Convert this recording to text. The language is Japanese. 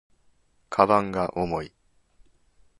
鞄が重い